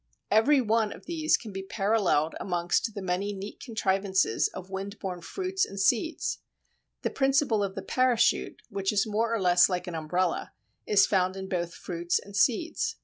Every one of these can be paralleled amongst the many neat contrivances of wind borne fruits and seeds. The principle of the "parachute," which is more or less like an umbrella, is found in both fruits and seeds.